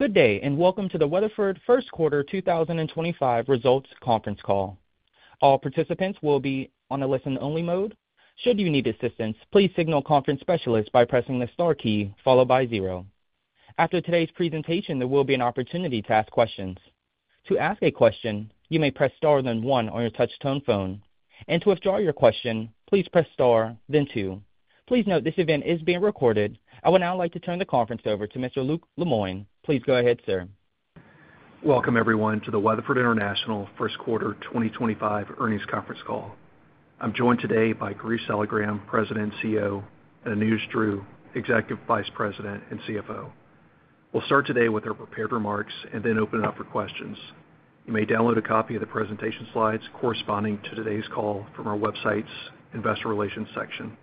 Good day and welcome to the Weatherford First Quarter 2025 Results Conference Call. All participants will be on a listen-only mode. Should you need assistance, please signal conference specialist by pressing the star key followed by zero. After today's presentation, there will be an opportunity to ask questions. To ask a question, you may press star then one on your touch-tone phone. To withdraw your question, please press star, then two. Please note this event is being recorded. I would now like to turn the conference over to Mr. Luke Lemoine. Please go ahead, sir. Welcome, everyone, to the Weatherford International First Quarter 2025 Earnings Conference Call. I'm joined today by Girish Saligram, President and CEO, and Anuj Dhruv, Executive Vice President and CFO. We'll start today with our prepared remarks and then open it up for questions. You may download a copy of the presentation slides corresponding to today's call from our website's Investor Relations section.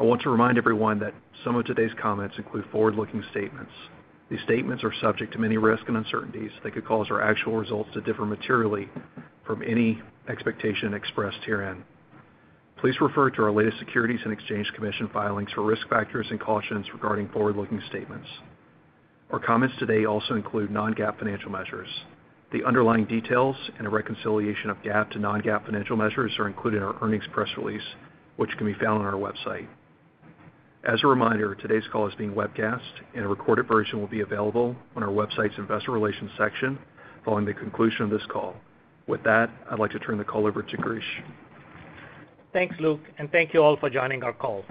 I want to remind everyone that some of today's comments include forward-looking statements. These statements are subject to many risks and uncertainties that could cause our actual results to differ materially from any expectation expressed herein. Please refer to our latest Securities and Exchange Commission filings for risk factors and cautions regarding forward-looking statements. Our comments today also include non-GAAP financial measures. The underlying details and a reconciliation of GAAP to non-GAAP financial measures are included in our earnings press release, which can be found on our website. As a reminder, today's call is being webcast, and a recorded version will be available on our website's Investor Relations section following the conclusion of this call. With that, I'd like to turn the call over to Girish. Thanks, Luke, and thank you all for joining our call.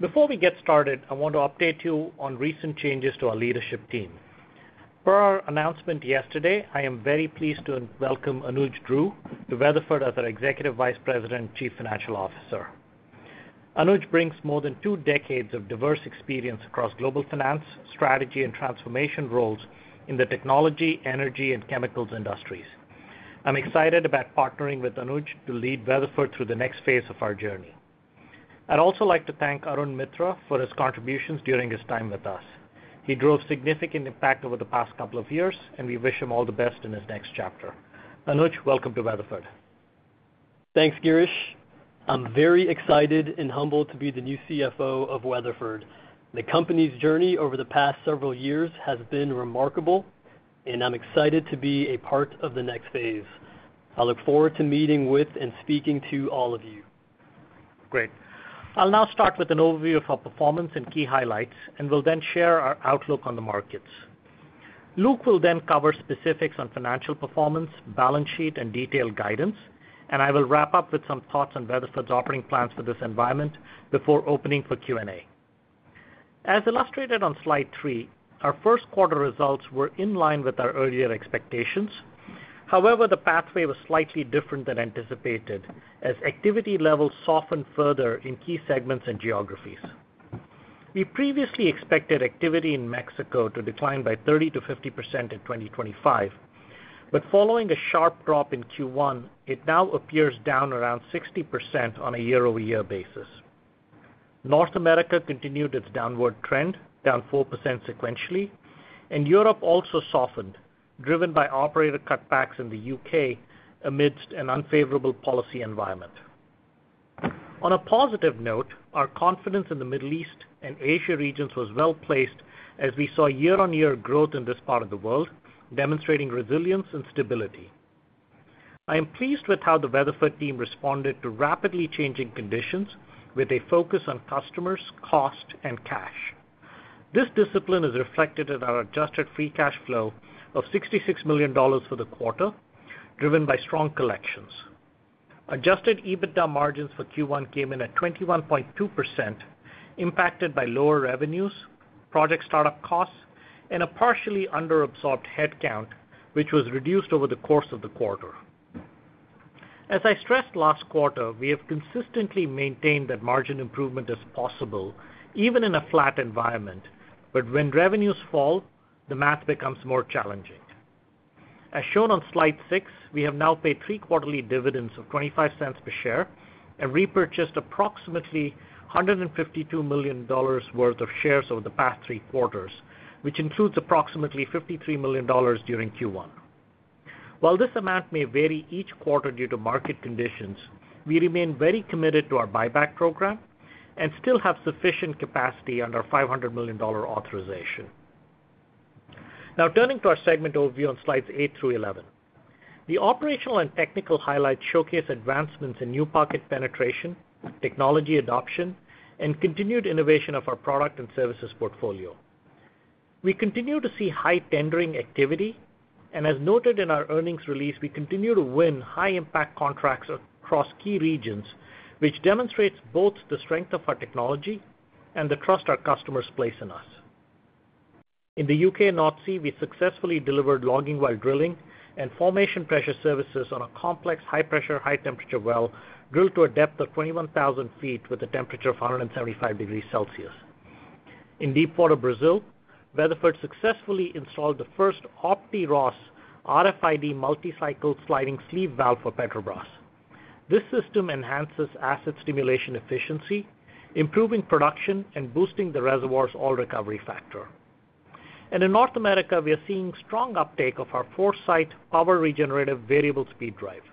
Before we get started, I want to update you on recent changes to our leadership team. Per our announcement yesterday, I am very pleased to welcome Anuj Dhruv to Weatherford as our Executive Vice President and Chief Financial Officer. Anuj brings more than two decades of diverse experience across global finance, strategy, and transformation roles in the technology, energy, and chemicals industries. I'm excited about partnering with Anuj to lead Weatherford through the next phase of our journey. I'd also like to thank Arun Mitra for his contributions during his time with us. He drove significant impact over the past couple of years, and we wish him all the best in his next chapter. Anuj, welcome to Weatherford. Thanks, Girish. I'm very excited and humbled to be the new CFO of Weatherford. The company's journey over the past several years has been remarkable, and I'm excited to be a part of the next phase. I look forward to meeting with and speaking to all of you. Great. I'll now start with an overview of our performance and key highlights, and we'll then share our outlook on the markets. Luke will then cover specifics on financial performance, balance sheet, and detailed guidance, and I will wrap up with some thoughts on Weatherford's operating plans for this environment before opening for Q&A. As illustrated on slide three, our first quarter results were in line with our earlier expectations. However, the pathway was slightly different than anticipated, as activity levels softened further in key segments and geographies. We previously expected activity in Mexico to decline by 30%-50% in 2025, but following a sharp drop in Q1, it now appears down around 60% on a year-over-year basis. North America continued its downward trend, down 4% sequentially, and Europe also softened, driven by operator cutbacks in the U.K. amidst an unfavorable policy environment. On a positive note, our confidence in the Middle East and Asia regions was well placed, as we saw year-on-year growth in this part of the world, demonstrating resilience and stability. I am pleased with how the Weatherford team responded to rapidly changing conditions with a focus on customers, cost, and cash. This discipline is reflected in our adjusted free cash flow of $66 million for the quarter, driven by strong collections. Adjusted EBITDA margins for Q1 came in at 21.2%, impacted by lower revenues, project startup costs, and a partially under-absorbed headcount, which was reduced over the course of the quarter. As I stressed last quarter, we have consistently maintained that margin improvement is possible even in a flat environment, but when revenues fall, the math becomes more challenging. As shown on slide six, we have now paid three quarterly dividends of $0.25 per share and repurchased approximately $152 million worth of shares over the past three quarters, which includes approximately $53 million during Q1. While this amount may vary each quarter due to market conditions, we remain very committed to our buyback program and still have sufficient capacity under $500 million authorization. Now, turning to our segment overview on slides eight through 11, the operational and technical highlights showcase advancements in new market penetration, technology adoption, and continued innovation of our product and services portfolio. We continue to see high tendering activity, and as noted in our earnings release, we continue to win high-impact contracts across key regions, which demonstrates both the strength of our technology and the trust our customers place in us. In the U.K. and North Sea, we successfully delivered logging while drilling and formation pressure services on a complex high-pressure, high-temperature well drilled to a depth of 21,000 feet with a temperature of 175 degrees Celsius. In deepwater Brazil, Weatherford successfully installed the first OptiROSS RFID multi-cycle sliding sleeve valve for Petrobras. This system enhances acid stimulation efficiency, improving production and boosting the reservoir's overall recovery factor. In North America, we are seeing strong uptake of our ForeSite Power Regenerative Variable Speed Drive.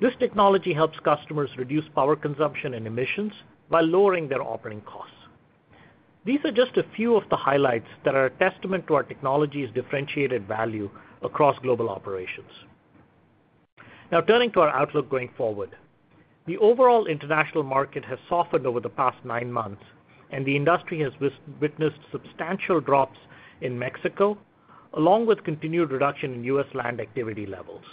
This technology helps customers reduce power consumption and emissions while lowering their operating costs. These are just a few of the highlights that are a testament to our technology's differentiated value across global operations. Now, turning to our outlook going forward, the overall international market has softened over the past nine months, and the industry has witnessed substantial drops in Mexico, along with continued reduction in U.S. land activity levels.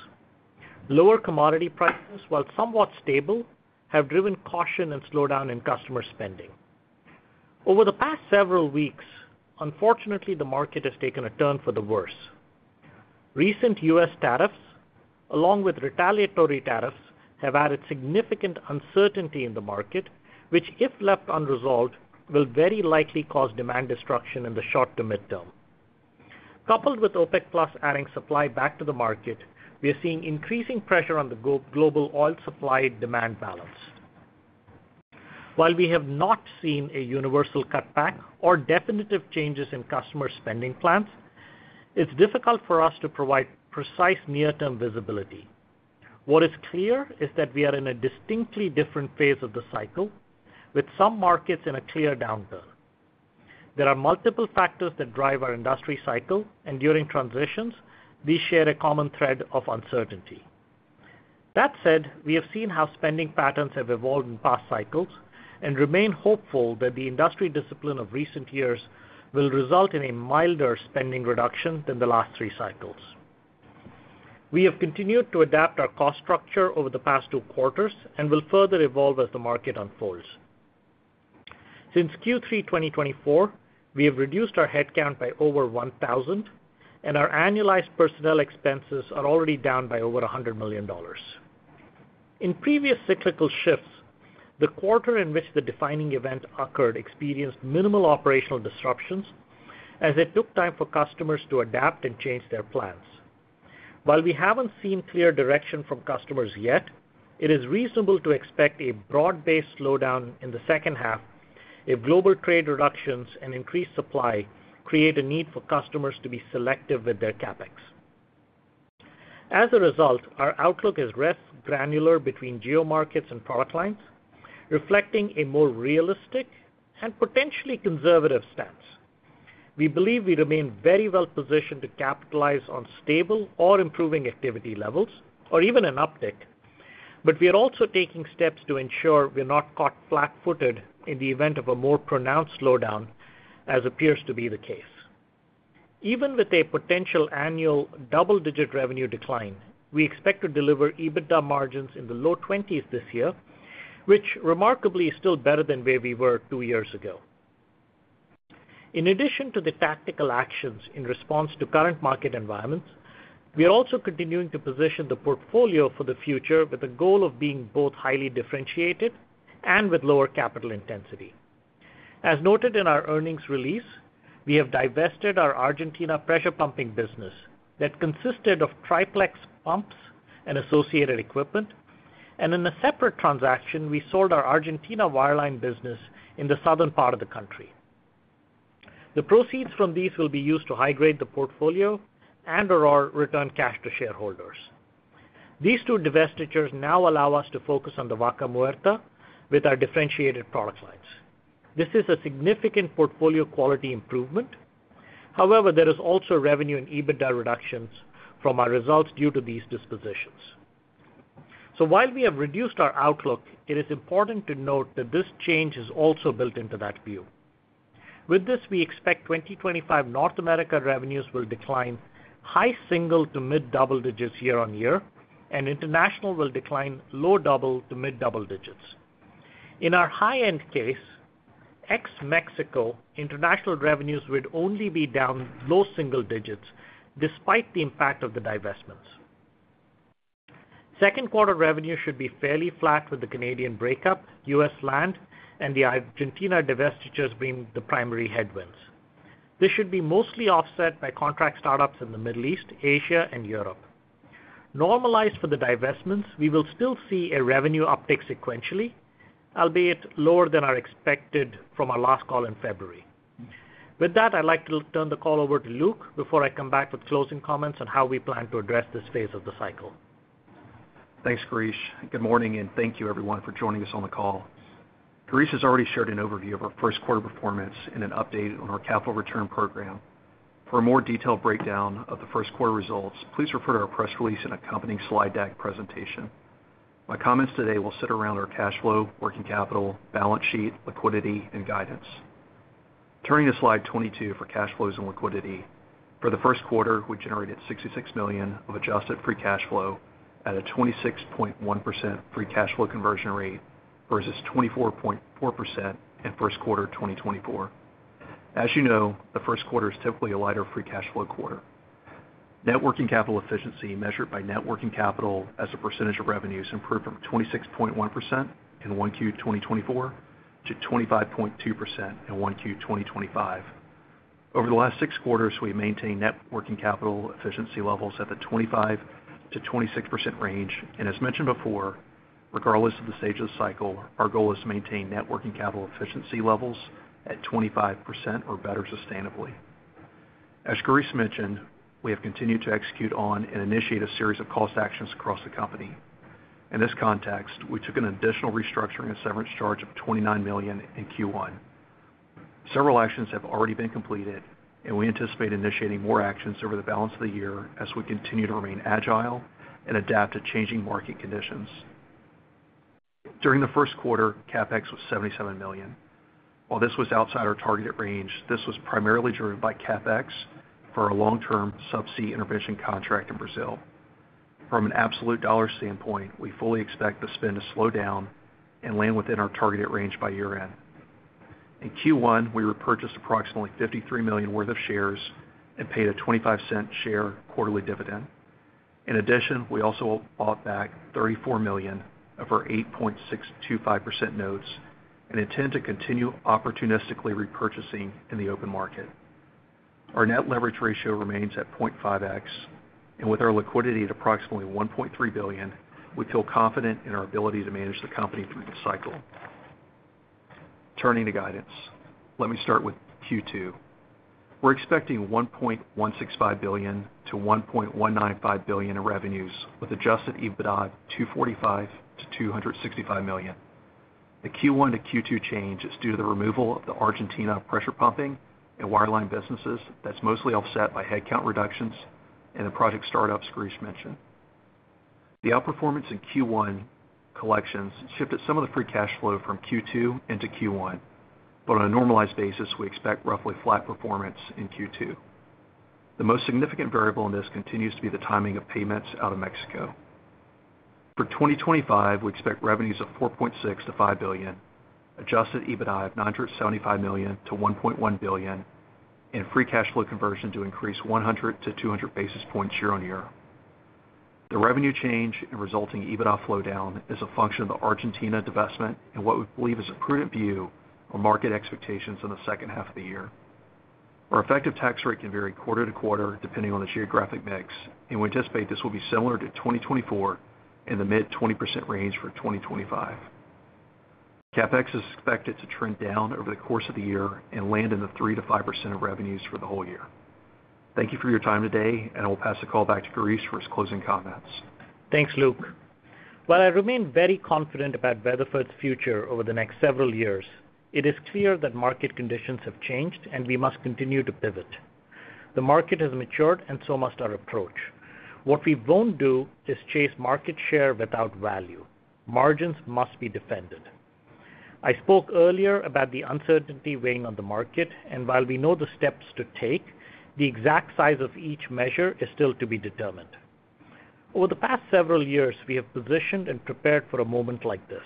Lower commodity prices, while somewhat stable, have driven caution and slowdown in customer spending. Over the past several weeks, unfortunately, the market has taken a turn for the worse. Recent U.S. tariffs, along with retaliatory tariffs, have added significant uncertainty in the market, which, if left unresolved, will very likely cause demand destruction in the short to midterm. Coupled with OPEC+ adding supply back to the market, we are seeing increasing pressure on the global oil supply demand balance. While we have not seen a universal cutback or definitive changes in customer spending plans, it's difficult for us to provide precise near-term visibility. What is clear is that we are in a distinctly different phase of the cycle, with some markets in a clear downtrend. There are multiple factors that drive our industry cycle, and during transitions, we share a common thread of uncertainty. That said, we have seen how spending patterns have evolved in past cycles and remain hopeful that the industry discipline of recent years will result in a milder spending reduction than the last three cycles. We have continued to adapt our cost structure over the past two quarters and will further evolve as the market unfolds. Since Q3 2024, we have reduced our headcount by over 1,000, and our annualized personnel expenses are already down by over $100 million. In previous cyclical shifts, the quarter in which the defining event occurred experienced minimal operational disruptions, as it took time for customers to adapt and change their plans. While we haven't seen clear direction from customers yet, it is reasonable to expect a broad-based slowdown in the second half if global trade reductions and increased supply create a need for customers to be selective with their CapEx. As a result, our outlook is rare granular between geo markets and product lines, reflecting a more realistic and potentially conservative stance. We believe we remain very well positioned to capitalize on stable or improving activity levels or even an uptick, but we are also taking steps to ensure we're not caught flat-footed in the event of a more pronounced slowdown, as appears to be the case. Even with a potential annual double-digit revenue decline, we expect to deliver EBITDA margins in the low twenties this year, which remarkably is still better than where we were two years ago. In addition to the tactical actions in response to current market environments, we are also continuing to position the portfolio for the future with a goal of being both highly differentiated and with lower capital intensity. As noted in our earnings release, we have divested our Argentina pressure pumping business that consisted of triplex pumps and associated equipment, and in a separate transaction, we sold our Argentina wireline business in the southern part of the country. The proceeds from these will be used to hydrate the portfolio and/or return cash to shareholders. These two divestitures now allow us to focus on the Vaca Muerta with our differentiated product lines. This is a significant portfolio quality improvement. However, there is also revenue and EBITDA reductions from our results due to these dispositions. While we have reduced our outlook, it is important to note that this change is also built into that view. With this, we expect 2025 North America revenues will decline high single to mid double digits year on year, and international will decline low double to mid double digits. In our high-end case, ex-Mexico international revenues would only be down low single digits despite the impact of the divestments. Second quarter revenue should be fairly flat with the Canadian breakup, U.S. land, and the Argentina divestitures being the primary headwinds. This should be mostly offset by contract startups in the Middle East, Asia, and Europe. Normalized for the divestments, we will still see a revenue uptick sequentially, albeit lower than our expected from our last call in February. With that, I'd like to turn the call over to Luke before I come back with closing comments on how we plan to address this phase of the cycle. Thanks, Girish. Good morning, and thank you everyone for joining us on the call. Girish has already shared an overview of our first quarter performance and an update on our capital return program. For a more detailed breakdown of the first quarter results, please refer to our press release and accompanying slide deck presentation. My comments today will sit around our cash flow, working capital, balance sheet, liquidity, and guidance. Turning to slide 22 for cash flows and liquidity, for the first quarter, we generated $66 million of adjusted free cash flow at a 26.1% free cash flow conversion rate versus 24.4% in first quarter 2024. As you know, the first quarter is typically a lighter free cash flow quarter. Net working capital efficiency measured by net working capital as a percentage of revenues improved from 26.1% in Q1 2024 to 25.2% in Q1 2025. Over the last six quarters, we maintained net working capital efficiency levels at the 25%-26% range, and as mentioned before, regardless of the stage of the cycle, our goal is to maintain net working capital efficiency levels at 25% or better sustainably. As Girish mentioned, we have continued to execute on and initiate a series of cost actions across the company. In this context, we took an additional restructuring and severance charge of $29 million in Q1. Several actions have already been completed, and we anticipate initiating more actions over the balance of the year as we continue to remain agile and adapt to changing market conditions. During the first quarter, CapEx was $77 million. While this was outside our targeted range, this was primarily driven by CapEx for a long-term subsea intervention contract in Brazil. From an absolute dollar standpoint, we fully expect the spend to slow down and land within our targeted range by year-end. In Q1, we repurchased approximately $53 million worth of shares and paid a $0.25 per share quarterly dividend. In addition, we also bought back $34 million of our 8.625% notes and intend to continue opportunistically repurchasing in the open market. Our net leverage ratio remains at 0.5x, and with our liquidity at approximately $1.3 billion, we feel confident in our ability to manage the company through the cycle. Turning to guidance, let me start with Q2. We're expecting $1.165 billion-$1.195 billion in revenues with adjusted EBITDA of $245 million-$265 million. The Q1 to Q2 change is due to the removal of the Argentina pressure pumping and wireline businesses that's mostly offset by headcount reductions and the project startups Girish mentioned. The outperformance in Q1 collections shifted some of the free cash flow from Q2 into Q1, but on a normalized basis, we expect roughly flat performance in Q2. The most significant variable in this continues to be the timing of payments out of Mexico. For 2025, we expect revenues of $4.6 billion-$5 billion, adjusted EBITDA of $975 million-$1.1 billion, and free cash flow conversion to increase 100-200 basis points year on year. The revenue change and resulting EBITDA slowdown is a function of the Argentina divestment and what we believe is a prudent view of market expectations in the second half of the year. Our effective tax rate can vary quarter to quarter depending on the geographic mix, and we anticipate this will be similar to 2024 in the mid 20% range for 2025. CapEx is expected to trend down over the course of the year and land in the 3%-5% of revenues for the whole year. Thank you for your time today, and I will pass the call back to Girish for his closing comments. Thanks, Luke. While I remain very confident about Weatherford's future over the next several years, it is clear that market conditions have changed and we must continue to pivot. The market has matured and so must our approach. What we won't do is chase market share without value. Margins must be defended. I spoke earlier about the uncertainty weighing on the market, and while we know the steps to take, the exact size of each measure is still to be determined. Over the past several years, we have positioned and prepared for a moment like this.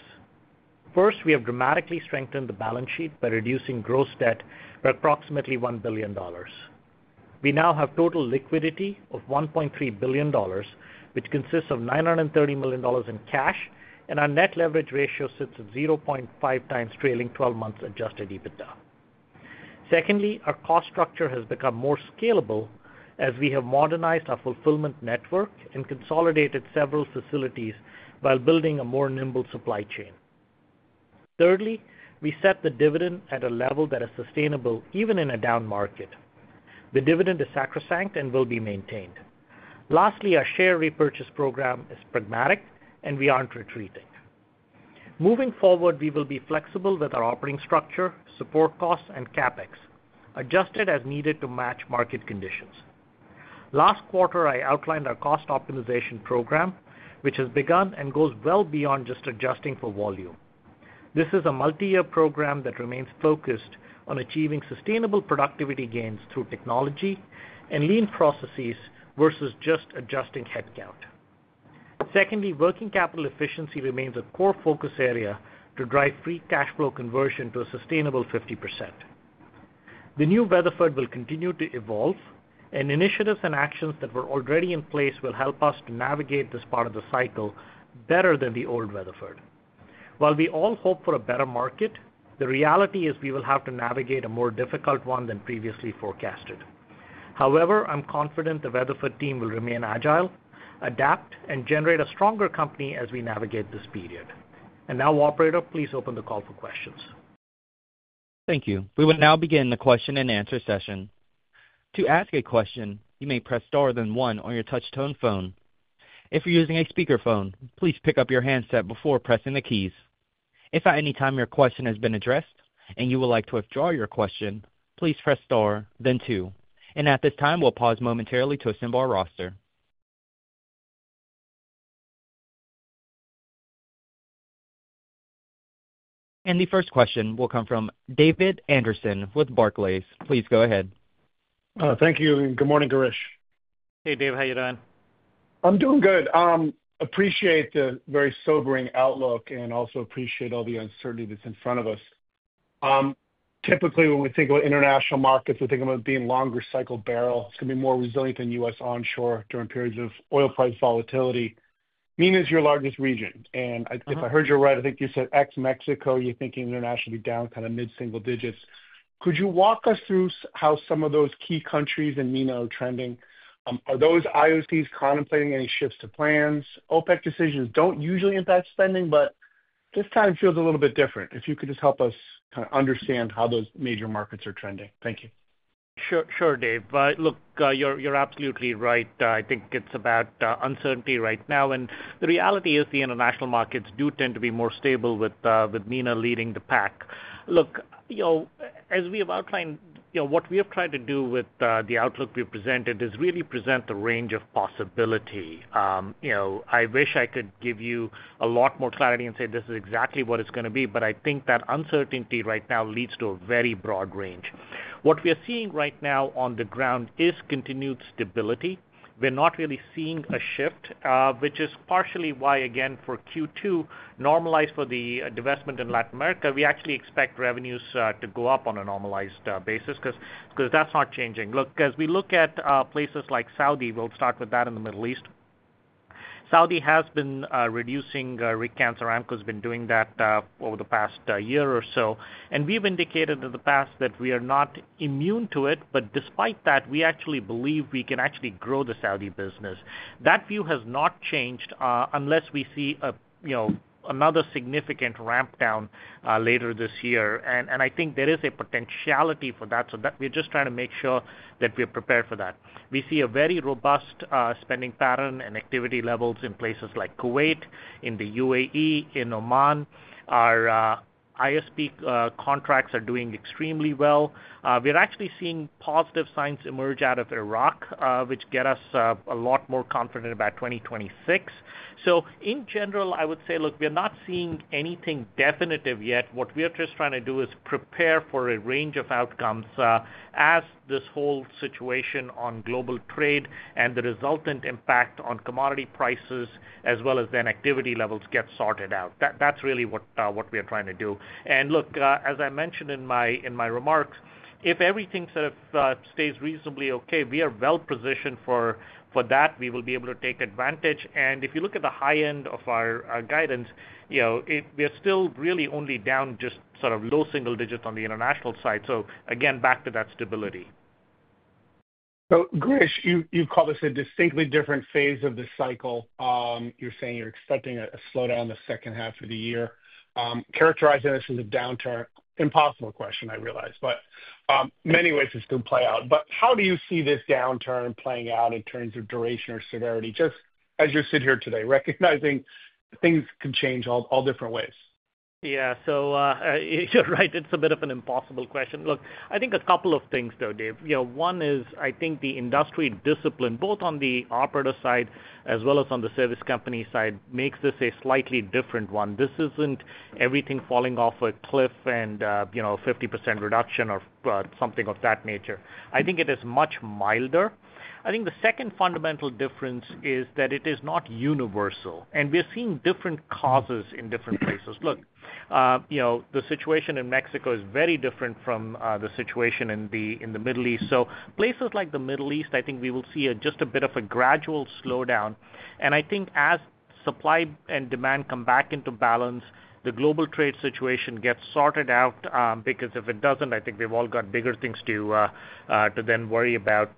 First, we have dramatically strengthened the balance sheet by reducing gross debt by approximately $1 billion. We now have total liquidity of $1.3 billion, which consists of $930 million in cash, and our net leverage ratio sits at 0.5 times trailing 12 months adjusted EBITDA. Secondly, our cost structure has become more scalable as we have modernized our fulfillment network and consolidated several facilities while building a more nimble supply chain. Thirdly, we set the dividend at a level that is sustainable even in a down market. The dividend is sacrosanct and will be maintained. Lastly, our share repurchase program is pragmatic and we aren't retreating. Moving forward, we will be flexible with our operating structure, support costs, and CapEx, adjusted as needed to match market conditions. Last quarter, I outlined our cost optimization program, which has begun and goes well beyond just adjusting for volume. This is a multi-year program that remains focused on achieving sustainable productivity gains through technology and lean processes versus just adjusting headcount. Secondly, working capital efficiency remains a core focus area to drive free cash flow conversion to a sustainable 50%. The new Weatherford will continue to evolve, and initiatives and actions that were already in place will help us to navigate this part of the cycle better than the old Weatherford. While we all hope for a better market, the reality is we will have to navigate a more difficult one than previously forecasted. However, I'm confident the Weatherford team will remain agile, adapt, and generate a stronger company as we navigate this period. Operator, please open the call for questions. Thank you. We will now begin the question and answer session. To ask a question, you may press star then one on your touch-tone phone. If you're using a speakerphone, please pick up your handset before pressing the keys. If at any time your question has been addressed and you would like to withdraw your question, please press star then two. At this time, we'll pause momentarily to assemble our roster. The first question will come from David Anderson with Barclays. Please go ahead. Thank you. Good morning, Girish. Hey, Dave. How you doing? I'm doing good. I appreciate the very sobering outlook and also appreciate all the uncertainty that's in front of us. Typically, when we think about international markets, we think about being longer cycle barrel. It's going to be more resilient than U.S. onshore during periods of oil price volatility. MENA is your largest region. If I heard you right, I think you said ex-Mexico, you're thinking internationally down kind of mid single digits. Could you walk us through how some of those key countries in MENA are trending? Are those IOCs contemplating any shifts to plans? OPEC decisions don't usually impact spending, but this time feels a little bit different. If you could just help us kind of understand how those major markets are trending. Thank you. Sure, sure, Dave. Look, you're absolutely right. I think it's about uncertainty right now. The reality is the international markets do tend to be more stable with MENA leading the pack. Look, as we have outlined, what we have tried to do with the outlook we presented is really present the range of possibility. I wish I could give you a lot more clarity and say this is exactly what it's going to be, but I think that uncertainty right now leads to a very broad range. What we are seeing right now on the ground is continued stability. We're not really seeing a shift, which is partially why, again, for Q2, normalized for the divestment in Latin America, we actually expect revenues to go up on a normalized basis because that's not changing. Look, as we look at places like Saudi, we'll start with that in the Middle East. Saudi has been reducing rig count. Aramco has been doing that over the past year or so. We've indicated in the past that we are not immune to it, but despite that, we actually believe we can actually grow the Saudi business. That view has not changed unless we see another significant ramp down later this year. I think there is a potentiality for that. We are just trying to make sure that we're prepared for that. We see a very robust spending pattern and activity levels in places like Kuwait, in the United Arab Emirates, in Oman. Our ISP contracts are doing extremely well. We are actually seeing positive signs emerge out of Iraq, which get us a lot more confident about 2026. In general, I would say, look, we're not seeing anything definitive yet. What we are just trying to do is prepare for a range of outcomes as this whole situation on global trade and the resultant impact on commodity prices, as well as then activity levels get sorted out. That's really what we're trying to do. As I mentioned in my remarks, if everything sort of stays reasonably okay, we are well positioned for that. We will be able to take advantage. If you look at the high end of our guidance, we're still really only down just sort of low single digits on the international side. Again, back to that stability. Girish, you've called this a distinctly different phase of the cycle. You're saying you're expecting a slowdown in the second half of the year, characterizing this as a downturn. Impossible question, I realize, but many ways it's going to play out. How do you see this downturn playing out in terms of duration or severity? Just as you sit here today, recognizing things can change all different ways. Yeah. You're right. It's a bit of an impossible question. Look, I think a couple of things though, Dave. One is I think the industry discipline, both on the operator side as well as on the service company side, makes this a slightly different one. This isn't everything falling off a cliff and 50% reduction or something of that nature. I think it is much milder. I think the second fundamental difference is that it is not universal. We're seeing different causes in different places. Look, the situation in Mexico is very different from the situation in the Middle East. Places like the Middle East, I think we will see just a bit of a gradual slowdown. I think as supply and demand come back into balance, the global trade situation gets sorted out because if it does not, I think we have all got bigger things to then worry about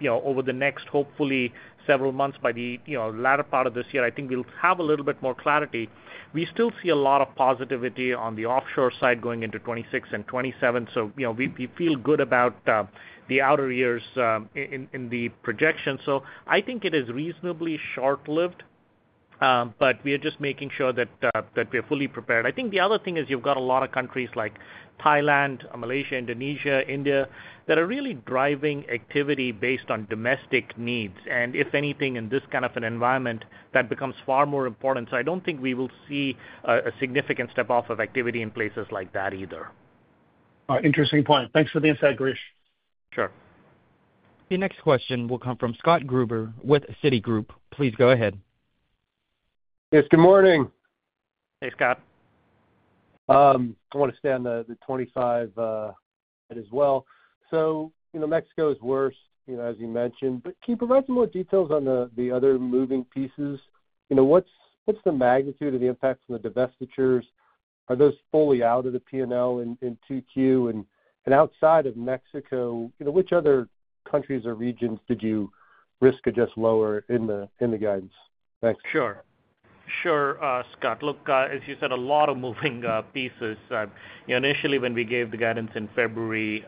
over the next, hopefully, several months by the latter part of this year. I think we will have a little bit more clarity. We still see a lot of positivity on the offshore side going into 2026 and 2027. We feel good about the outer years in the projection. I think it is reasonably short-lived, but we are just making sure that we are fully prepared. I think the other thing is you have got a lot of countries like Thailand, Malaysia, Indonesia, India that are really driving activity based on domestic needs. If anything, in this kind of an environment, that becomes far more important. I don't think we will see a significant step off of activity in places like that either. Interesting point. Thanks for the insight, Girish. Sure. The next question will come from Scott Gruber with Citigroup. Please go ahead. Yes. Good morning. Hey, Scott. I want to stay on the 2025 as well. Mexico is worse, as you mentioned. Can you provide some more details on the other moving pieces? What's the magnitude of the impact from the divestitures? Are those fully out of the P&L in 2Q? Outside of Mexico, which other countries or regions did you risk adjust lower in the guidance? Thanks. Sure. Sure, Scott. Look, as you said, a lot of moving pieces. Initially, when we gave the guidance in February,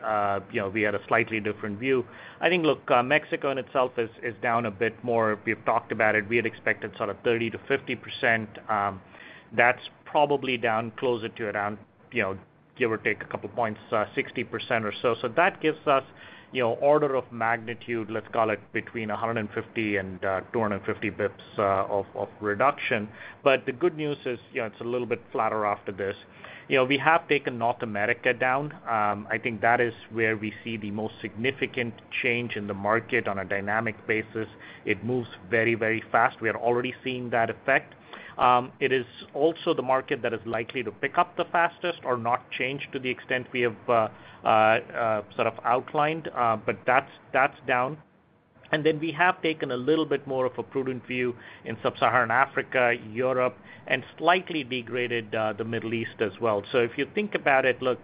we had a slightly different view. I think, look, Mexico in itself is down a bit more. We've talked about it. We had expected sort of 30%-50%. That's probably down closer to around, give or take a couple of points, 60% or so. That gives us order of magnitude, let's call it between 150 and 250 basis points of reduction. The good news is it's a little bit flatter after this. We have taken North America down. I think that is where we see the most significant change in the market on a dynamic basis. It moves very, very fast. We are already seeing that effect. It is also the market that is likely to pick up the fastest or not change to the extent we have sort of outlined, but that's down. We have taken a little bit more of a prudent view in Sub-Saharan Africa, Europe, and slightly degraded the Middle East as well. If you think about it, look,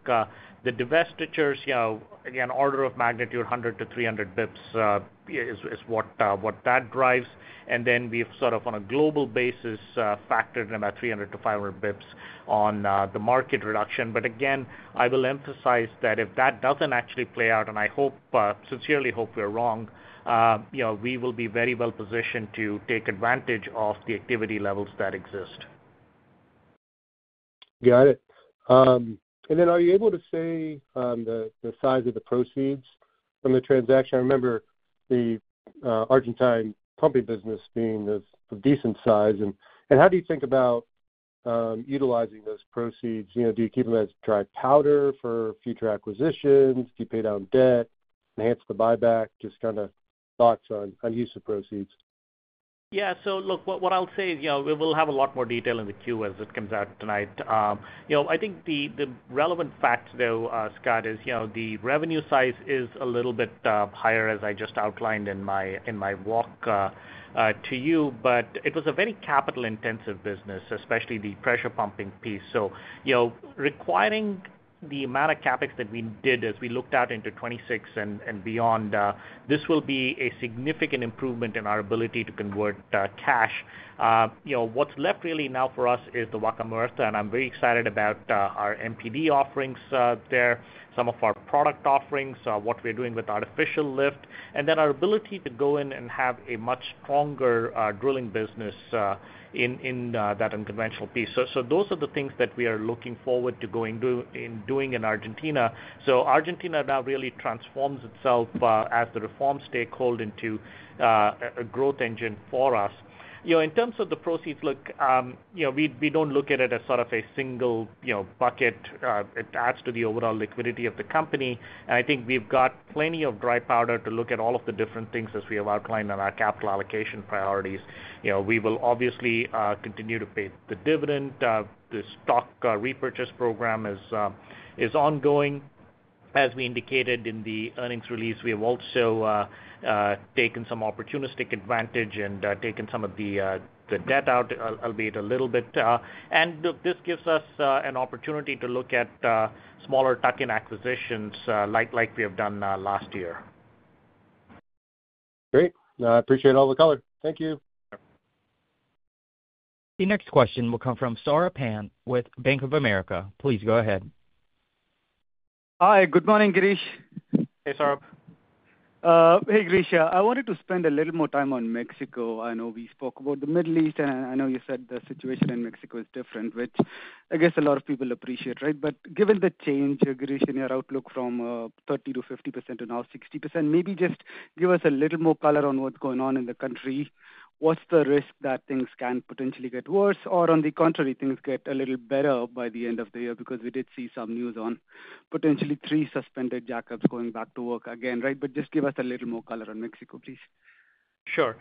the divestitures, again, order of magnitude, 100-300 basis points is what that drives. We have sort of, on a global basis, factored in about 300-500 basis points on the market reduction. Again, I will emphasize that if that does not actually play out, and I sincerely hope we are wrong, we will be very well positioned to take advantage of the activity levels that exist. Got it. Are you able to say the size of the proceeds from the transaction? I remember the Argentine pumping business being a decent size. How do you think about utilizing those proceeds? Do you keep them as dry powder for future acquisitions, to pay down debt, enhance the buyback? Just kind of thoughts on use of proceeds. Yeah. Look, what I'll say is we will have a lot more detail in the Q as it comes out tonight. I think the relevant fact, though, Scott, is the revenue size is a little bit higher, as I just outlined in my walk to you, but it was a very capital-intensive business, especially the pressure pumping piece. Requiring the amount of CapEx that we did as we looked out into 2026 and beyond, this will be a significant improvement in our ability to convert cash. What's left really now for us is the Vaca Muerta, and I'm very excited about our MPD offerings there, some of our product offerings, what we're doing with Artificial Lift, and then our ability to go in and have a much stronger drilling business in that unconventional piece. Those are the things that we are looking forward to going in doing in Argentina. Argentina now really transforms itself as the reform stakeholder into a growth engine for us. In terms of the proceeds, look, we do not look at it as sort of a single bucket. It adds to the overall liquidity of the company. I think we have got plenty of dry powder to look at all of the different things as we have outlined on our capital allocation priorities. We will obviously continue to pay the dividend. The stock repurchase program is ongoing. As we indicated in the earnings release, we have also taken some opportunistic advantage and taken some of the debt out, albeit a little bit. This gives us an opportunity to look at smaller tuck-in acquisitions like we have done last year. Great. I appreciate all the color. Thank you. The next question will come from Saurabh Pant with Bank of America. Please go ahead. Hi. Good morning, Girish. Hey, Saurabh. Hey, Girish. I wanted to spend a little more time on Mexico. I know we spoke about the Middle East, and I know you said the situation in Mexico is different, which I guess a lot of people appreciate, right? Given the change, Girish, in your outlook from 30-50% to now 60%, maybe just give us a little more color on what's going on in the country. What's the risk that things can potentially get worse or, on the contrary, things get a little better by the end of the year? We did see some news on potentially three suspended jackups going back to work again, right? Just give us a little more color on Mexico, please. Sure.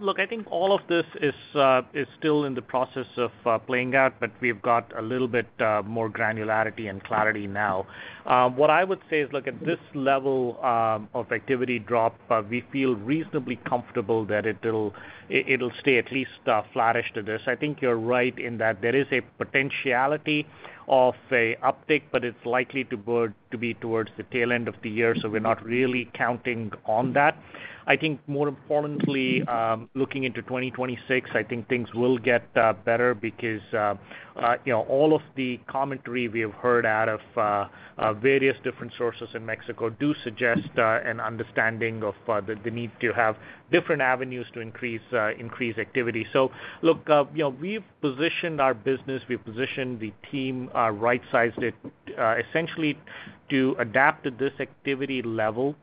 Look, I think all of this is still in the process of playing out, but we've got a little bit more granularity and clarity now. What I would say is, look, at this level of activity drop, we feel reasonably comfortable that it'll stay at least flourished to this. I think you're right in that there is a potentiality of an uptick, but it's likely to be towards the tail end of the year. We are not really counting on that. I think, more importantly, looking into 2026, I think things will get better because all of the commentary we have heard out of various different sources in Mexico do suggest an understanding of the need to have different avenues to increase activity. Look, we've positioned our business. We've positioned the team, right-sized it, essentially to adapt to this activity level,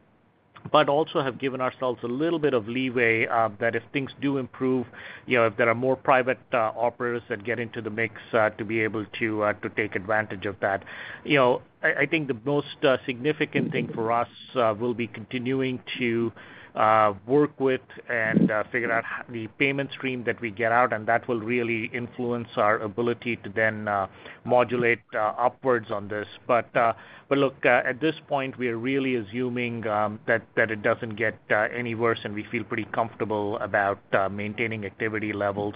but also have given ourselves a little bit of leeway that if things do improve, if there are more private operators that get into the mix to be able to take advantage of that. I think the most significant thing for us will be continuing to work with and figure out the payment stream that we get out, and that will really influence our ability to then modulate upwards on this. At this point, we are really assuming that it doesn't get any worse, and we feel pretty comfortable about maintaining activity levels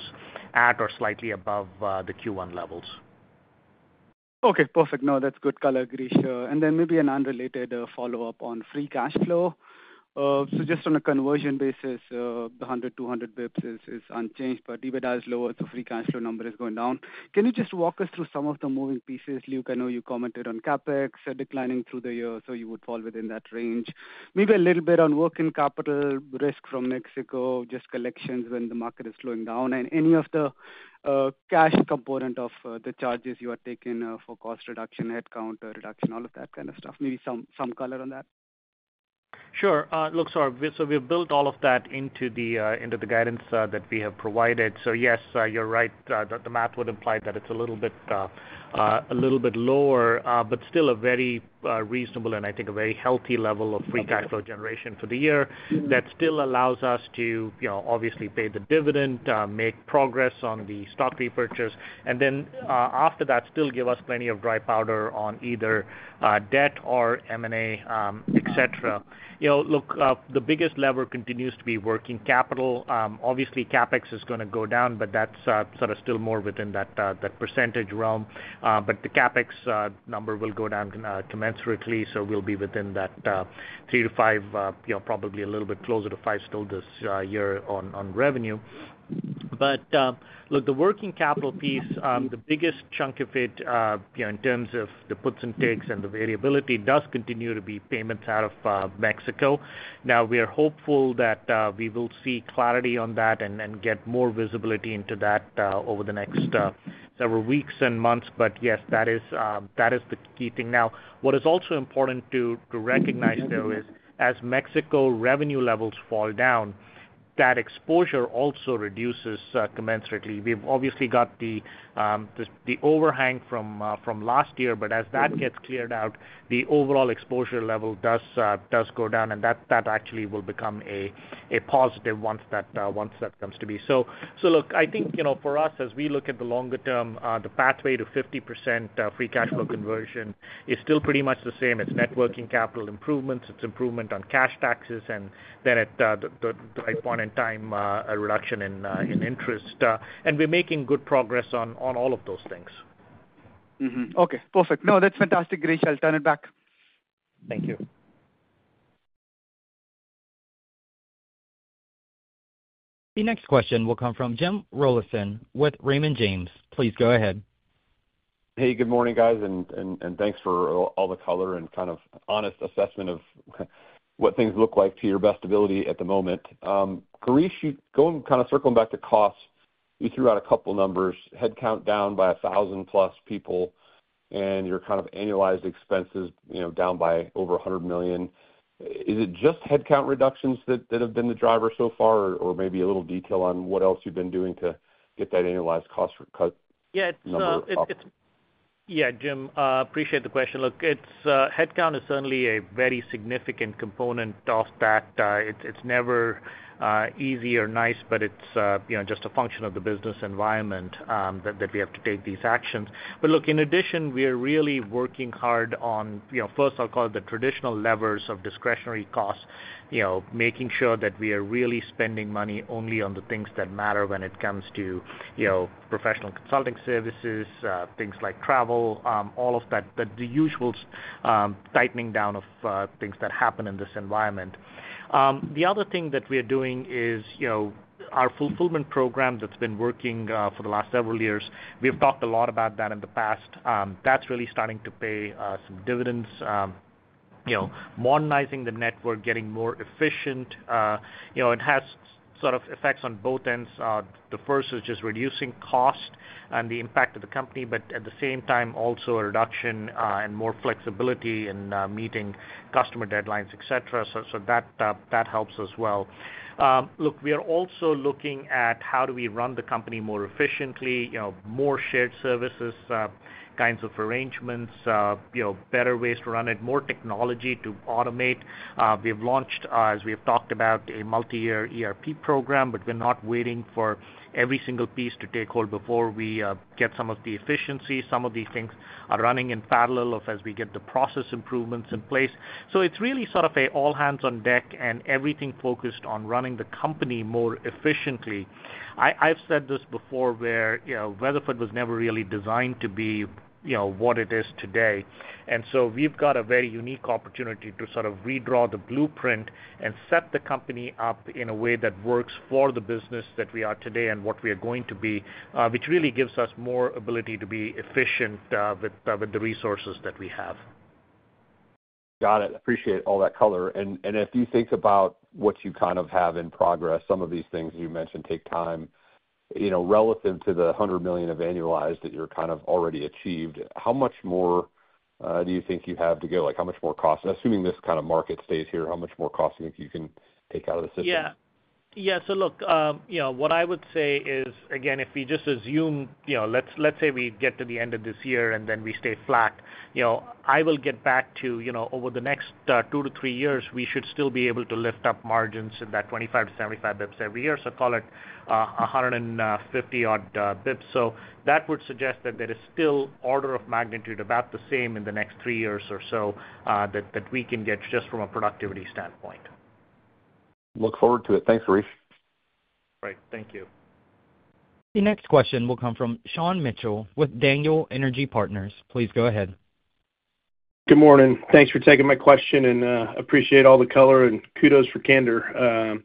at or slightly above the Q1 levels. Okay. Perfect. No, that's good color, Girish. Maybe an unrelated follow-up on free cash flow. Just on a conversion basis, 100-200 basis points is unchanged, but even as lower, the free cash flow number is going down. Can you just walk us through some of the moving pieces? Luke, I know you commented on CapEx declining through the year, so you would fall within that range. Maybe a little bit on working capital risk from Mexico, just collections when the market is slowing down, and any of the cash component of the charges you are taking for cost reduction, headcount reduction, all of that kind of stuff. Maybe some color on that. Sure. Look, so we've built all of that into the guidance that we have provided. Yes, you're right. The math would imply that it's a little bit lower, but still a very reasonable and I think a very healthy level of free cash flow generation for the year that still allows us to obviously pay the dividend, make progress on the stock repurchase, and then after that, still give us plenty of dry powder on either debt or M&A, etc. Look, the biggest lever continues to be working capital. Obviously, CapEx is going to go down, but that's sort of still more within that percentage realm. The CapEx number will go down commensurately, so we'll be within that 3%-5%, probably a little bit closer to 5% still this year on revenue. Look, the working capital piece, the biggest chunk of it in terms of the puts and takes and the variability does continue to be payments out of Mexico. Now, we are hopeful that we will see clarity on that and get more visibility into that over the next several weeks and months. Yes, that is the key thing. What is also important to recognize though is, as Mexico revenue levels fall down, that exposure also reduces commensurately. We have obviously got the overhang from last year, but as that gets cleared out, the overall exposure level does go down, and that actually will become a positive once that comes to be. I think for us, as we look at the longer term, the pathway to 50% free cash flow conversion is still pretty much the same. It's net working capital improvements, it's improvement on cash taxes, and then at the right point in time, a reduction in interest. We're making good progress on all of those things. Okay. Perfect. No, that's fantastic, Girish. I'll turn it back. Thank you. The next question will come from Jim Rollyson with Raymond James. Please go ahead. Hey, good morning, guys. Thanks for all the color and kind of honest assessment of what things look like to your best ability at the moment. Girish, going kind of circling back to costs, you threw out a couple of numbers. Headcount down by 1,000-plus people, and your kind of annualized expenses down by over $100 million. Is it just headcount reductions that have been the driver so far, or maybe a little detail on what else you've been doing to get that annualized cost cut? Yeah. Yeah, Jim, appreciate the question. Look, headcount is certainly a very significant component of that. It's never easy or nice, but it's just a function of the business environment that we have to take these actions. In addition, we are really working hard on, first, I'll call it the traditional levers of discretionary costs, making sure that we are really spending money only on the things that matter when it comes to professional consulting services, things like travel, all of that, the usual tightening down of things that happen in this environment. The other thing that we are doing is our fulfillment program that's been working for the last several years. We've talked a lot about that in the past. That's really starting to pay some dividends, modernizing the network, getting more efficient. It has sort of effects on both ends. The first is just reducing cost and the impact of the company, but at the same time, also a reduction and more flexibility in meeting customer deadlines, etc. That helps as well. Look, we are also looking at how do we run the company more efficiently, more shared services, kinds of arrangements, better ways to run it, more technology to automate. We have launched, as we have talked about, a multi-year ERP program, but we're not waiting for every single piece to take hold before we get some of the efficiencies. Some of these things are running in parallel as we get the process improvements in place. It is really sort of an all-hands-on-deck and everything focused on running the company more efficiently. I've said this before where Weatherford was never really designed to be what it is today. We have a very unique opportunity to sort of redraw the blueprint and set the company up in a way that works for the business that we are today and what we are going to be, which really gives us more ability to be efficient with the resources that we have. Got it. Appreciate all that color. If you think about what you kind of have in progress, some of these things you mentioned take time, relative to the $100 million of annualized that you're kind of already achieved, how much more do you think you have to go? How much more cost? Assuming this kind of market stays here, how much more cost do you think you can take out of the system? Yeah. Yeah. So look, what I would say is, again, if we just assume, let's say we get to the end of this year and then we stay flat, I will get back to over the next two to three years, we should still be able to lift up margins in that 25-75 basis points every year. So call it 150-odd basis points. That would suggest that there is still order of magnitude about the same in the next three years or so that we can get just from a productivity standpoint. Look forward to it. Thanks, Girish. Right. Thank you. The next question will come from Sean Mitchell with Daniel Energy Partners. Please go ahead. Good morning. Thanks for taking my question, and I appreciate all the color, and kudos for candor.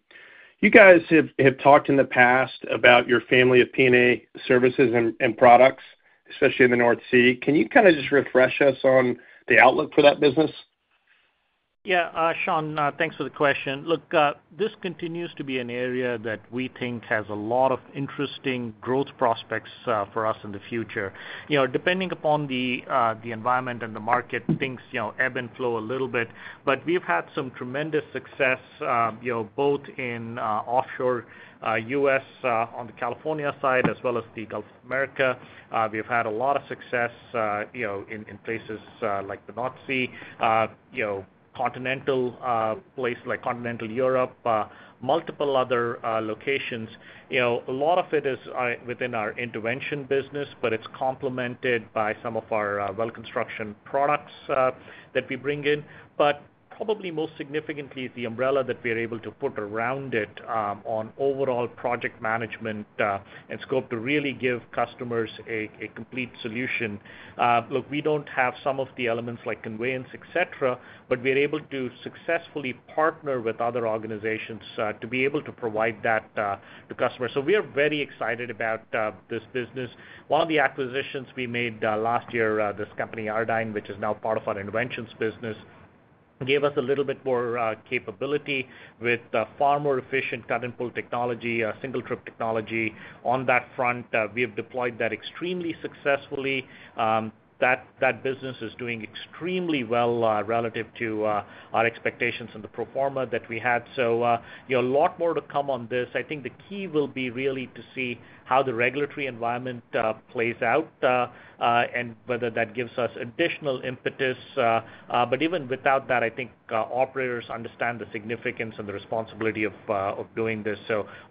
You guys have talked in the past about your family of P&A services and products, especially in the North Sea. Can you kind of just refresh us on the outlook for that business? Yeah. Sean, thanks for the question. Look, this continues to be an area that we think has a lot of interesting growth prospects for us in the future. Depending upon the environment and the market, things ebb and flow a little bit. We have had some tremendous success both in offshore U.S. on the California side as well as the Gulf of Mexico. We have had a lot of success in places like the North Sea, places like continental Europe, multiple other locations. A lot of it is within our intervention business, but it is complemented by some of our well-construction products that we bring in. Probably most significantly, the umbrella that we are able to put around it on overall project management and scope really gives customers a complete solution. Look, we don't have some of the elements like conveyance, etc., but we are able to successfully partner with other organizations to be able to provide that to customers. We are very excited about this business. One of the acquisitions we made last year, this company, Ardyne, which is now part of our interventions business, gave us a little bit more capability with far more efficient cut-and-pull technology, single-trip technology. On that front, we have deployed that extremely successfully. That business is doing extremely well relative to our expectations and the pro forma that we had. A lot more to come on this. I think the key will be really to see how the regulatory environment plays out and whether that gives us additional impetus. Even without that, I think operators understand the significance and the responsibility of doing this.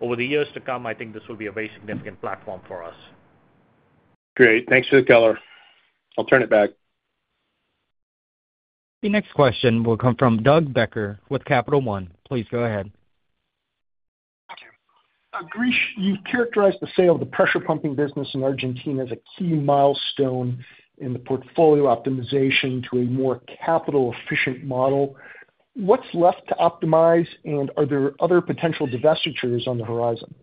Over the years to come, I think this will be a very significant platform for us. Great. Thanks for the color. I'll turn it back. The next question will come from Doug Becker with Capital One. Please go ahead. Okay. Girish, you've characterized the sale of the pressure pumping business in Argentina as a key milestone in the portfolio optimization to a more capital-efficient model. What's left to optimize, and are there other potential divestitures on the horizon?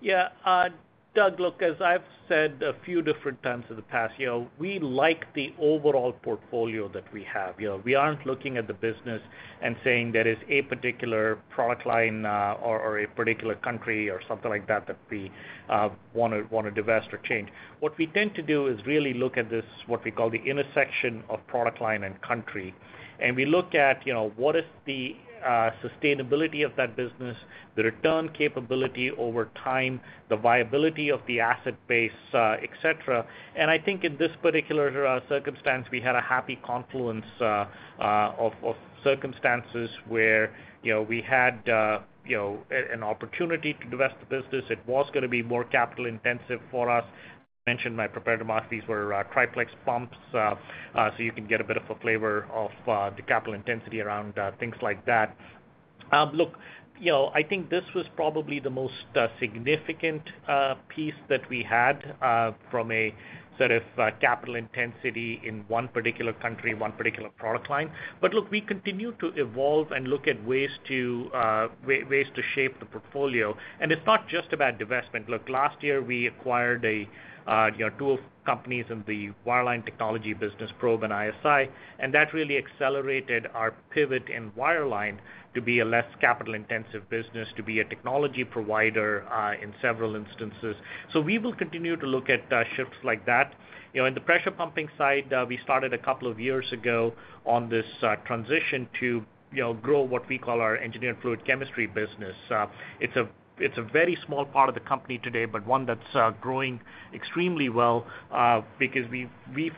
Yeah. Doug, look, as I've said a few different times in the past, we like the overall portfolio that we have. We aren't looking at the business and saying there is a particular product line or a particular country or something like that that we want to divest or change. What we tend to do is really look at this, what we call the intersection of product line and country. We look at what is the sustainability of that business, the return capability over time, the viability of the asset base, etc. I think in this particular circumstance, we had a happy confluence of circumstances where we had an opportunity to divest the business. It was going to be more capital-intensive for us. I mentioned my prepared demographics were triplex pumps, so you can get a bit of a flavor of the capital intensity around things like that. Look, I think this was probably the most significant piece that we had from a sort of capital intensity in one particular country, one particular product line. We continue to evolve and look at ways to shape the portfolio. It's not just about divestment. Last year, we acquired two companies in the wireline technology business, Probe and ISI, and that really accelerated our pivot in wireline to be a less capital-intensive business, to be a technology provider in several instances. We will continue to look at shifts like that. On the pressure pumping side, we started a couple of years ago on this transition to grow what we call our engineered fluid chemistry business. It's a very small part of the company today, but one that's growing extremely well because we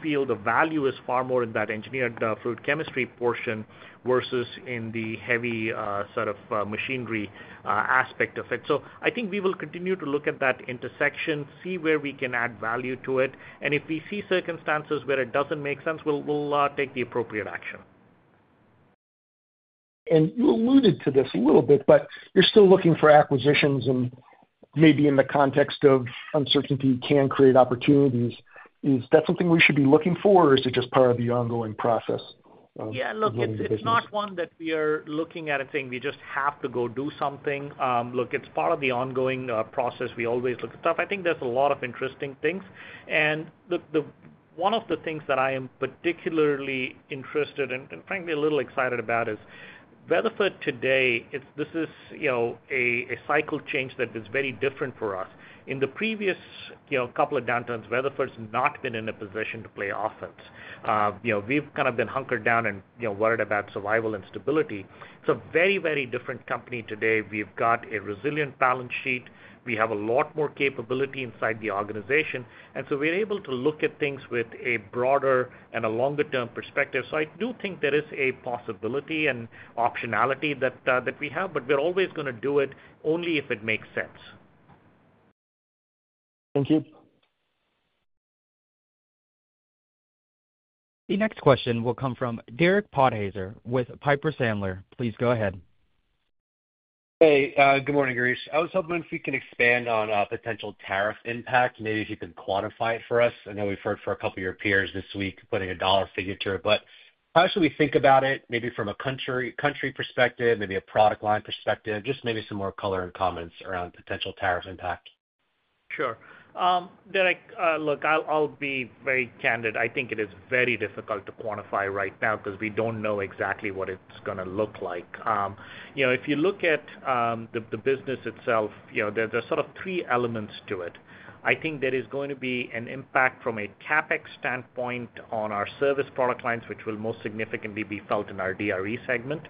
feel the value is far more in that engineered fluid chemistry portion versus in the heavy sort of machinery aspect of it. I think we will continue to look at that intersection, see where we can add value to it. If we see circumstances where it doesn't make sense, we'll take the appropriate action. You alluded to this a little bit, but you're still looking for acquisitions, and maybe in the context of uncertainty, you can create opportunities. Is that something we should be looking for, or is it just part of the ongoing process? Yeah. Look, it's not one that we are looking at and saying we just have to go do something. It's part of the ongoing process. We always look at stuff. I think there's a lot of interesting things. One of the things that I am particularly interested in, and frankly, a little excited about, is Weatherford today. This is a cycle change that is very different for us. In the previous couple of downturns, Weatherford's not been in a position to play offense. We've kind of been hunkered down and worried about survival and stability. It's a very, very different company today. We've got a resilient balance sheet. We have a lot more capability inside the organization. We are able to look at things with a broader and a longer-term perspective. I do think there is a possibility and optionality that we have, but we're always going to do it only if it makes sense. Thank you. The next question will come from Derek Podhaizer with Piper Sandler. Please go ahead. Hey, good morning, Girish. I was hoping if we can expand on potential tariff impact, maybe if you can quantify it for us. I know we've heard from a couple of your peers this week putting a dollar figure to it, but how should we think about it, maybe from a country perspective, maybe a product line perspective, just maybe some more color and comments around potential tariff impact? Sure. Look, I'll be very candid. I think it is very difficult to quantify right now because we don't know exactly what it's going to look like. If you look at the business itself, there's sort of three elements to it. I think there is going to be an impact from a CapEx standpoint on our service product lines, which will most significantly be felt in our DRE segment.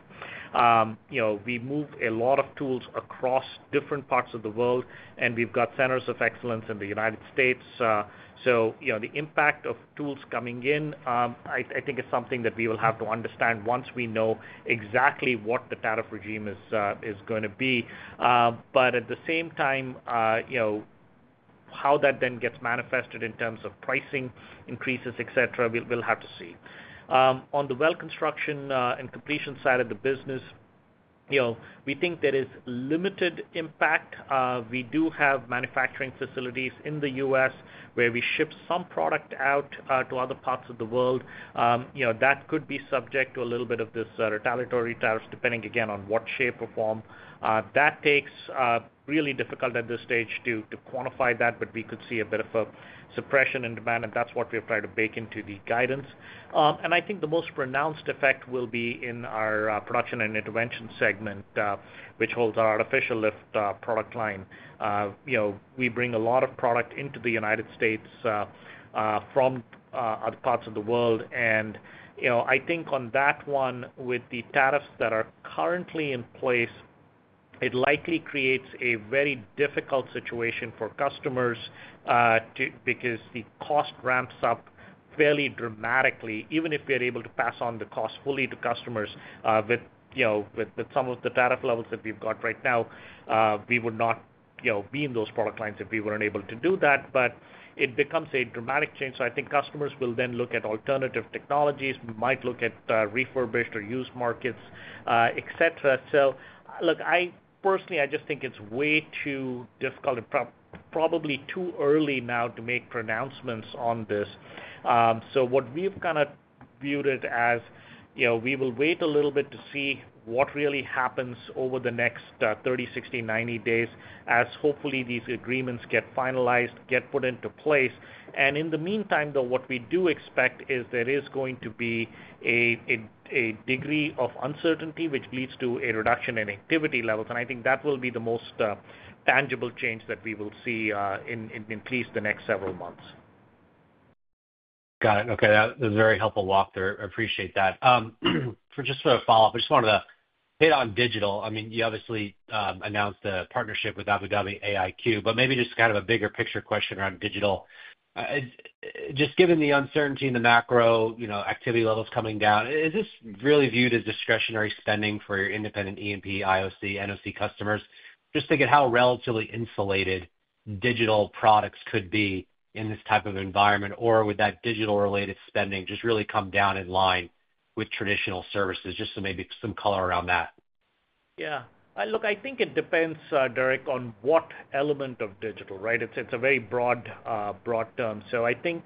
We move a lot of tools across different parts of the world, and we've got centers of excellence in the United States. The impact of tools coming in, I think, is something that we will have to understand once we know exactly what the tariff regime is going to be. At the same time, how that then gets manifested in terms of pricing increases, etc., we'll have to see. On the Well Construction and Completion side of the business, we think there is limited impact. We do have manufacturing facilities in the U.S. where we ship some product out to other parts of the world. That could be subject to a little bit of this retaliatory tariffs, depending again on what shape or form that takes. Really difficult at this stage to quantify that, but we could see a bit of a suppression in demand, and that's what we've tried to bake into the guidance. I think the most pronounced effect will be in our Production and Intervention segment, which holds our Artificial Lift product line. We bring a lot of product into the United States from other parts of the world. I think on that one, with the tariffs that are currently in place, it likely creates a very difficult situation for customers because the cost ramps up fairly dramatically. Even if we're able to pass on the cost fully to customers with some of the tariff levels that we've got right now, we would not be in those product lines if we were not able to do that. It becomes a dramatic change. I think customers will then look at alternative technologies, might look at refurbished or used markets, etc. Personally, I just think it is way too difficult and probably too early now to make pronouncements on this. What we have kind of viewed it as, we will wait a little bit to see what really happens over the next 30, 60, 90 days as hopefully these agreements get finalized, get put into place. In the meantime, though, what we do expect is there is going to be a degree of uncertainty which leads to a reduction in activity levels. I think that will be the most tangible change that we will see in at least the next several months. Got it. Okay. That was a very helpful walkthrough. I appreciate that. Just for a follow-up, I just wanted to hit on digital. I mean, you obviously announced the partnership with Abu Dhabi AIQ, but maybe just kind of a bigger picture question around digital. Just given the uncertainty in the macro activity levels coming down, is this really viewed as discretionary spending for your independent E&P, IOC, NOC customers? Just think of how relatively insulated digital products could be in this type of environment, or would that digital-related spending just really come down in line with traditional services? Just so maybe some color around that. Yeah. Look, I think it depends, Derek, on what element of digital, right? It's a very broad term. I think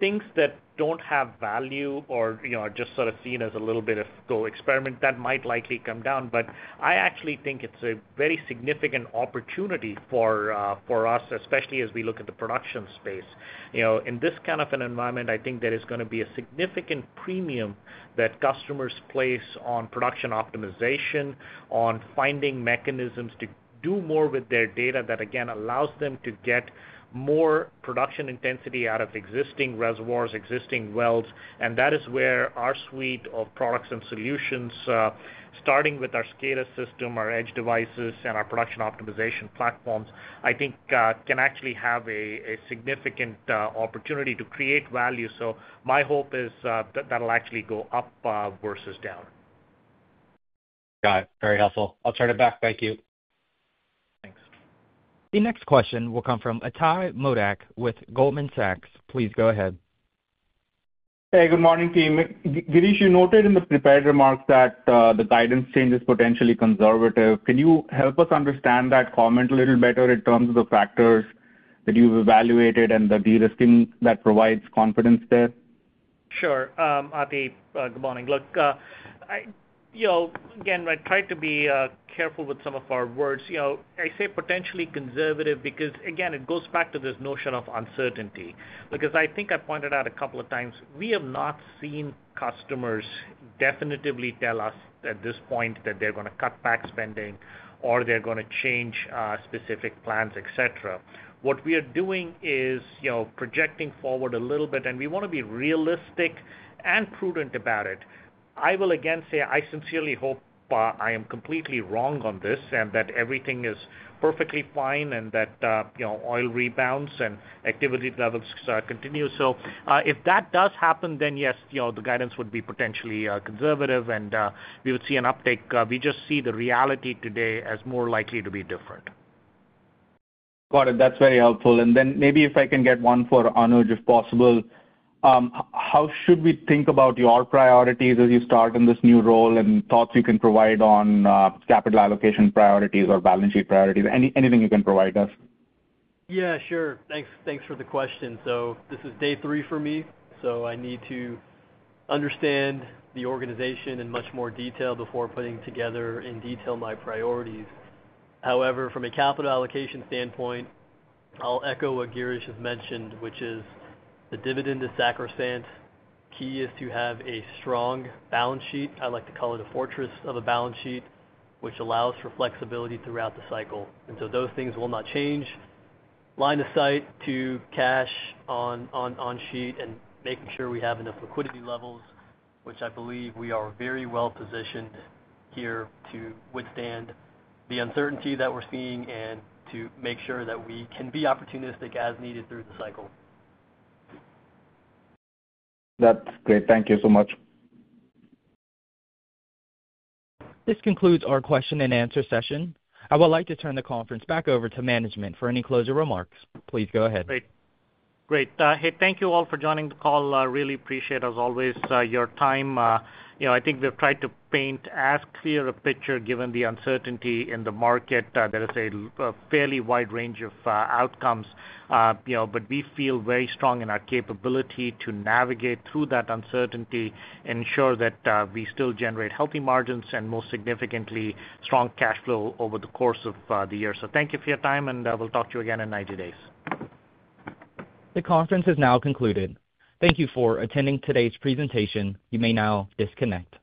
things that don't have value or are just sort of seen as a little bit of, "Go experiment," that might likely come down. I actually think it's a very significant opportunity for us, especially as we look at the production space. In this kind of an environment, I think there is going to be a significant premium that customers place on production optimization, on finding mechanisms to do more with their data that, again, allows them to get more production intensity out of existing reservoirs, existing wells. That is where our suite of products and solutions, starting with our SCADA system, our edge devices, and our production optimization platforms, I think can actually have a significant opportunity to create value. My hope is that it'll actually go up versus down. Got it. Very helpful. I'll turn it back. Thank you. Thanks. The next question will come from Atidrip Modak with Goldman Sachs. Please go ahead. Hey, good morning team. Girish, you noted in the prepared remarks that the guidance change is potentially conservative. Can you help us understand that comment a little better in terms of the factors that you've evaluated and the risking that provides confidence there? Sure. Good morning. Look, again, I tried to be careful with some of our words. I say potentially conservative because, again, it goes back to this notion of uncertainty. Because I think I pointed out a couple of times, we have not seen customers definitively tell us at this point that they're going to cut back spending or they're going to change specific plans, etc. What we are doing is projecting forward a little bit, and we want to be realistic and prudent about it. I will again say, I sincerely hope I am completely wrong on this and that everything is perfectly fine and that oil rebounds and activity levels continue. If that does happen, then yes, the guidance would be potentially conservative, and we would see an uptake. We just see the reality today as more likely to be different. Got it. That's very helpful. Maybe if I can get one for Anuj, if possible, how should we think about your priorities as you start in this new role and thoughts you can provide on capital allocation priorities or balance sheet priorities? Anything you can provide us. Yeah, sure. Thanks for the question. This is day three for me. I need to understand the organization in much more detail before putting together in detail my priorities. However, from a capital allocation standpoint, I'll echo what Girish has mentioned, which is the dividend is sacrosanct. Key is to have a strong balance sheet. I like to call it a fortress of a balance sheet, which allows for flexibility throughout the cycle. Those things will not change. Line of sight to cash on sheet and making sure we have enough liquidity levels, which I believe we are very well positioned here to withstand the uncertainty that we're seeing and to make sure that we can be opportunistic as needed through the cycle. That's great. Thank you so much. This concludes our question and answer session. I would like to turn the conference back over to management for any closing remarks. Please go ahead. Great. Great. Hey, thank you all for joining the call. Really appreciate, as always, your time. I think we've tried to paint as clear a picture given the uncertainty in the market. There is a fairly wide range of outcomes, but we feel very strong in our capability to navigate through that uncertainty and ensure that we still generate healthy margins and, most significantly, strong cash flow over the course of the year. Thank you for your time, and we'll talk to you again in 90 days. The conference is now concluded. Thank you for attending today's presentation. You may now disconnect.